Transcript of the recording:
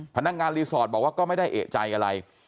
พนักงานรีสอร์ทบอกว่าก็ไม่ได้เอกใจอะไร